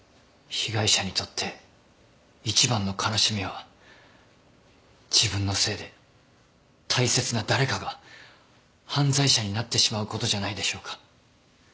被害者にとって一番の悲しみは自分のせいで大切な誰かが犯罪者になってしまうことじゃないでしょうか。